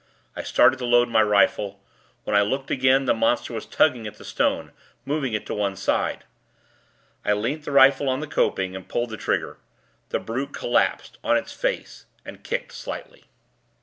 I started to load my rifle. When I looked again, the monster was tugging at the stone moving it to one side. I leant the rifle on the coping, and pulled the trigger. The brute collapsed, on its face, and kicked, slightly.